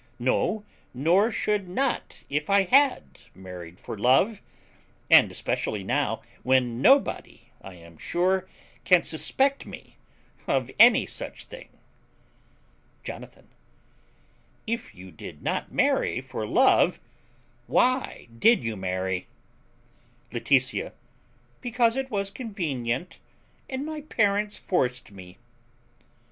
No, nor should not, if I had married for love. And especially now, when nobody, I am sure, can suspect me of any such thing. Jonathan. If you did not marry for love why did you marry? Laetitia. Because it was convenient, and my parents forced me.